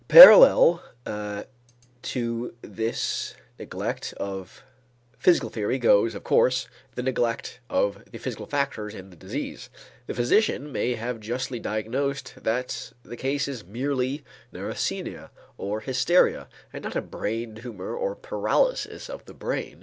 Parallel to this neglect of physical theory goes, of course, the neglect of the physical factors in the disease. The physician may have justly diagnosed that the case is "merely" neurasthenia or hysteria and not a brain tumor or paralysis of the brain.